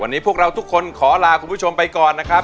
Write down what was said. วันนี้พวกเราทุกคนขอลาคุณผู้ชมไปก่อนนะครับ